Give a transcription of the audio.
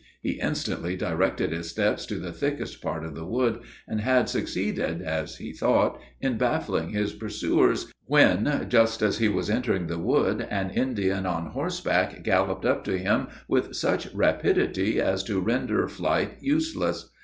He instantly directed his steps to the thickest part of the wood, and had succeeded, as he thought, in baffling his pursuers, when, just as he was entering the wood, an Indian on horseback galloped up to him with such rapidity as to render flight useless.